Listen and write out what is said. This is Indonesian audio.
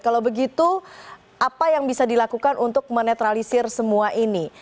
kalau begitu apa yang bisa dilakukan untuk menetralisir semua ini